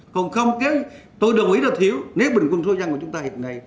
còn không tôi đồng ý là thiếu nếu bình quân số dân của chúng ta hiện nay